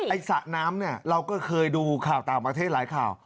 สระน้ำเนี่ยเราก็เคยดูข่าวต่างประเทศหลายข่าว